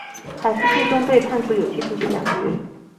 海氏最终被判处有期徒刑两个月。